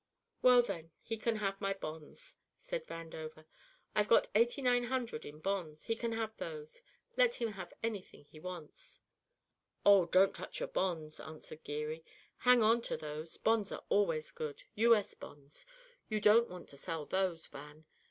"Well, then, he can have my bonds," said Vandover. "I've got eighty nine hundred in bonds; he can have those. Let him have anything he wants." "Oh, don't touch your bonds," answered Geary. "Hang on to those. Bonds are always good U.S. bonds. You don't want to sell those, Van.